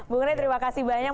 bu nenek terima kasih banyak